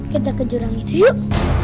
kita ke jurang itu yuk